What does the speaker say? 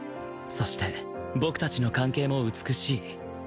そして僕達の関係も美しい